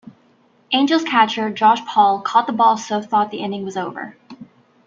Angels catcher Josh Paul caught the ball so thought the inning was over.